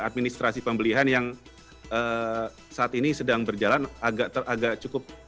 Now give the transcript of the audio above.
administrasi pembelian yang saat ini sedang berjalan agak cukup